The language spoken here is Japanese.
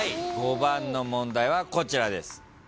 ５番の問題はこちらです。